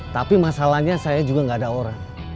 tapi masalahnya saya juga nggak ada orang